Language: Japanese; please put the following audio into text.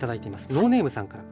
ノーネームさんから。